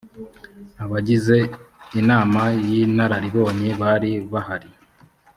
abagize inama y inararibonye bari bahari